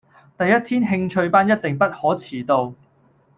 第一天興趣班一定不可遲到